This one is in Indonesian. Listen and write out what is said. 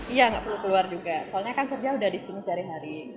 iya nggak perlu keluar juga soalnya kan kerja udah di sini sehari hari